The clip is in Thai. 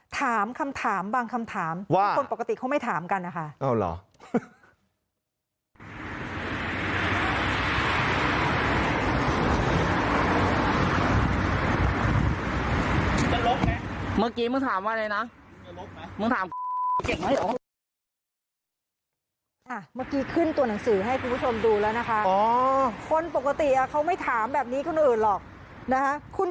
ถามคำถามบางคำถามว่าคนปกติเขาไม่ถามกันนะคะ